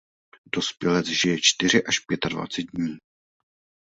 Dospělec žije čtyři až pětadvacet dní.